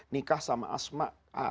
nikah sama asma